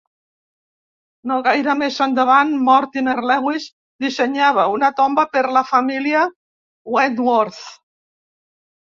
No gaire més endavant, Mortimer Lewis dissenyava una tomba per la família Wentworth.